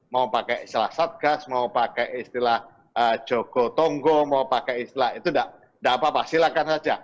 mau pakai istilah satgas mau pakai istilah jogo tonggo mau pakai istilah itu tidak apa apa silakan saja